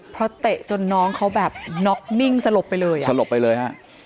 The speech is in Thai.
เพราะเตะจนน้องเขาแบบน๊อกนิ่งสลบไปเลย